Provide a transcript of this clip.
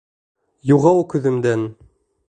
Юғал күҙемдән!